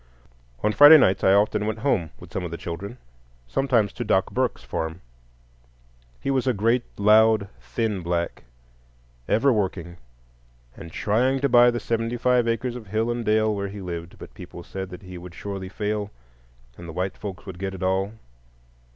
On Friday nights I often went home with some of the children,—sometimes to Doc Burke's farm. He was a great, loud, thin Black, ever working, and trying to buy the seventy five acres of hill and dale where he lived; but people said that he would surely fail, and the "white folks would get it all."